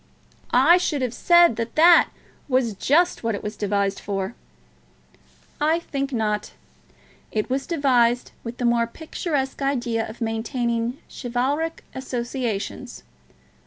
"I should have said that that was just what it was devised for." "I think not. It was devised with the more picturesque idea of maintaining chivalric associations.